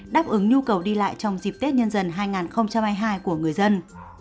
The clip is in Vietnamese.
đáp ứng nhu cầu đi lại trong dịp tết nhân dân hai nghìn hai mươi hai của người dân